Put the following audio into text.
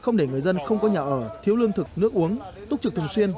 người dân không có nhà ở thiếu lương thực nước uống túc trực thường xuyên